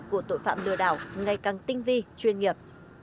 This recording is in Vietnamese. của tội phạm lừa đảo ngày càng tinh vi chuyên nghiệp